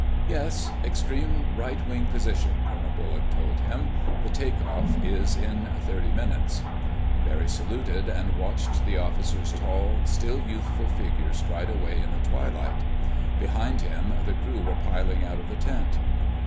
"Yes. Extreme right wing position," Colonel Bullock told him. "The take off is in thirty minutes." Barry saluted and watched the officer's tall, still youthful figure stride away in the twilight. Behind him the crew were piling out of the tent.